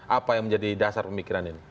apa yang menjadi dasar pemikiran ini